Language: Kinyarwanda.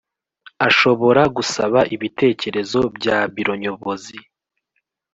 Ashobora gusaba ibitekerezo bya Biro Nyobozi